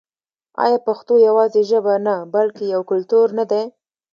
آیا پښتو یوازې ژبه نه بلکې یو کلتور نه دی؟